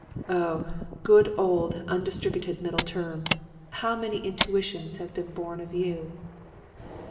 "'O! good old "undistributed middle term!" How many intuitions have been born of you?'